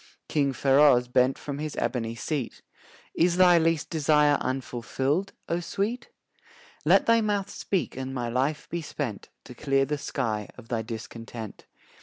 King Feroz bent from his ebony seat: "Is thy least desire unfulfilled, O Sweet? "Let thy mouth speak and my life be spent To clear the sky of thy discontent."